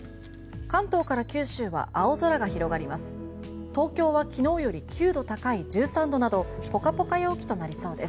関東から九州は青空が広がります。